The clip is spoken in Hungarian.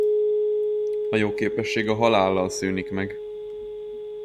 A jogképesség a halállal szűnik meg.